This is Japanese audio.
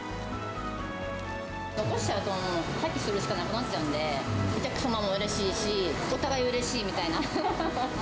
残しちゃうと、廃棄するしかなくなっちゃうんで、お客様もうれしいし、お互いうれしいみたいな。